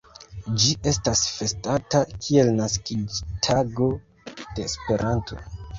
Ĝi estas festata kiel naskiĝtago de Esperanto.